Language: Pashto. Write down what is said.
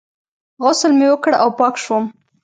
غسل مې وکړ او پاک شوم.